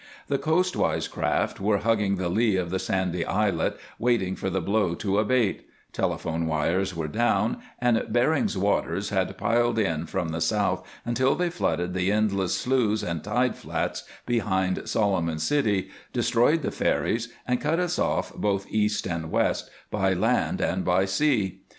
The coastwise craft were hugging the lee of the sandy islet, waiting for the blow to abate; telephone wires were down, and Bering's waters had piled in from the south until they flooded the endless sloughs and tide flats behind Solomon City, destroyed the ferries, and cut us off both east and west, by land and by sea.